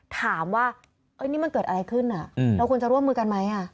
ถามว่านี่มันเกิดอะไรขึ้นเราควรจะร่วมมือกันไหม